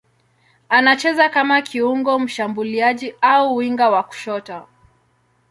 Anacheza kama kiungo mshambuliaji au winga wa kushoto.